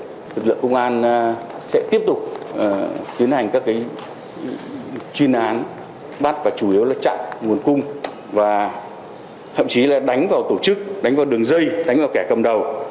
các lực lượng công an sẽ tiếp tục tiến hành các chuyên án bắt và chủ yếu là chặn nguồn cung và thậm chí là đánh vào tổ chức đánh vào đường dây đánh vào kẻ cầm đầu